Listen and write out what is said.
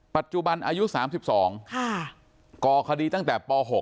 ปัจจุบันอายุสามสิบสองค่ะก่อคดีตั้งแต่ป๋อหก